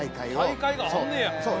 大会があんねや！へ。